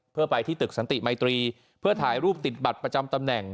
เพื่อไปที่ตึกสันติมัยตรีเพื่อถ่ายรูปติดบัตรประจำตำแหน่ง